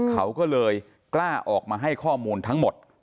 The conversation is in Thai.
เขาก็เลยกล้าออกมาให้ข้อมูลทั้งหมด